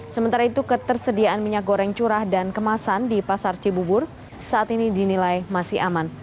sementara itu ketersediaan minyak goreng curah dan kemasan di pasar cibubur saat ini dinilai masih aman